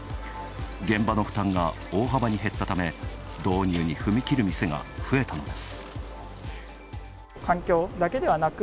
現場の負担が大幅に減ったため、導入に踏み切る店が増えたのです。